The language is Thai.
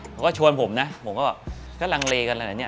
เขาก็ชวนผมนะผมก็บอกก็ลังเลกันอะไรแบบนี้